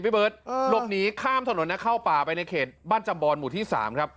รบหนีข้ามถนนและเข้าป่าไปในเขตบ้านจำบอนหมู่ที่๓ครับ